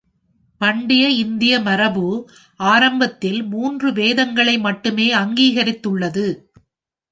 பண்டைய இந்திய மரபு ஆரம்பத்தில் மூன்று வேதங்களை மட்டுமே அங்கீகரித்துள்ளது.